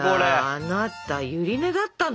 あなたゆり根だったの？